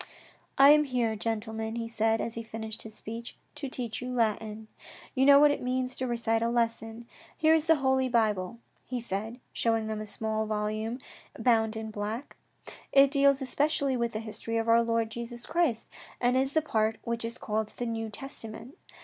" I am here, gentlemen, he said, as he finished his speech, to teach you Latin. You know what it means to recite a lesson. Here is the Holy Bible, he said, showing them a small volume in thirty two mo., bound in black. It deals especially with the history of our Lord Jesus Christ and is the part which is called the New Testament.